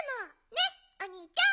ねっおにいちゃん！